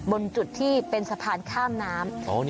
บนจุดที่เป็นสะพานข้ามน้ำ